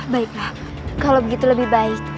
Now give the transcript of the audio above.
baiklah kalau begitu lebih baik